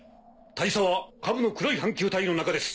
大佐は下部の黒い半球体の中です